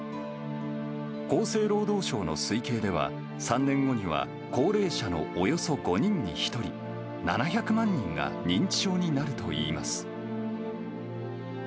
厚生労働省の推計では、３年後には、高齢者のおよそ５人に１人、７００万人が認知症になるといいます。